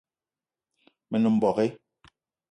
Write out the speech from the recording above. Me nem mbogue